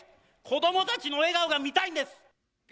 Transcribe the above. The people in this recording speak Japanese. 子どもたちの笑顔が見たいんです。